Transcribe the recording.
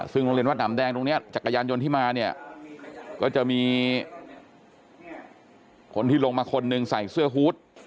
ซึ่งโรงเรียนวัดหนำแดงตรงนี้จักรยานยนต์ที่มาเนี่ยก็จะมีคนที่ลงมาคนหนึ่งใส่เสื้อฮูต